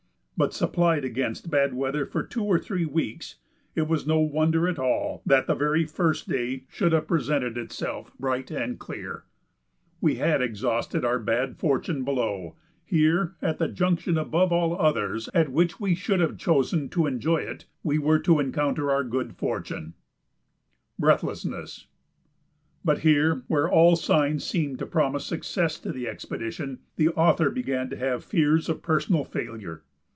But supplied against bad weather for two or three weeks, it was no wonder at all that the very first day should have presented itself bright and clear. We had exhausted our bad fortune below; here, at the juncture above all others at which we should have chosen to enjoy it, we were to encounter our good fortune. [Sidenote: Breathlessness] But here, where all signs seemed to promise success to the expedition, the author began to have fears of personal failure.